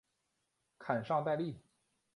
埃尚代利。